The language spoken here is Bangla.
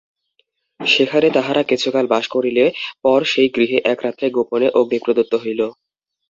সেখানে তাঁহারা কিছুকাল বাস করিলে পর সেই গৃহে এক রাত্রে গোপনে অগ্নি প্রদত্ত হইল।